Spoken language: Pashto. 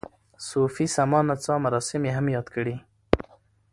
صوفي سما نڅا مراسم یې هم یاد کړي.